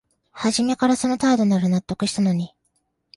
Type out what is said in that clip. はじめからその態度なら納得したのに